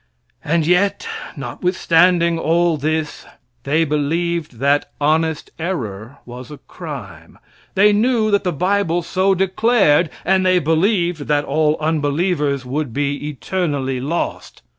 And yet, notwithstanding all this, they believed that honest error was a crime. They knew that the bible so declared, and they believed that all unbelievers would be eternally lost.